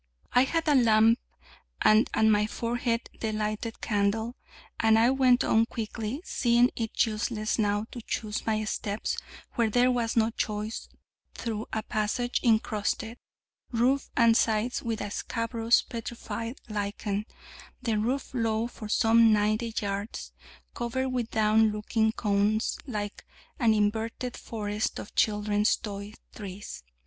I had a lamp, and at my forehead the lighted candle, and I went on quickly, seeing it useless now to choose my steps where there was no choice, through a passage incrusted, roof and sides, with a scabrous petrified lichen, the roof low for some ninety yards, covered with down looking cones, like an inverted forest of children's toy trees.